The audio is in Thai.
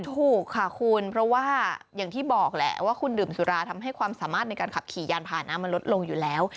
ถูกค่ะคุณเพราะว่าอย่างที่บอกแหละว่าคุณดื่มสุราทำให้ความสามารถในการขับขี่ยานผ่านน้ำมันลดลงอยู่แล้ว